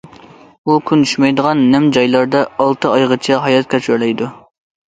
ئۇ كۈن چۈشمەيدىغان نەم جايلاردا ئالتە ئايغىچە ھايات كەچۈرەلەيدۇ.